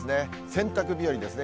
洗濯日和ですね。